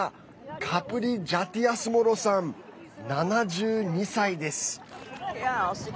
カプリ・ジャティアスモロさん７２歳です。